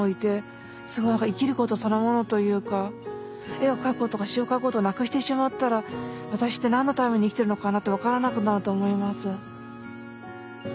絵を描くとか詩を書くことをなくしてしまったら私って何のために生きてるのかなって分からなくなると思います。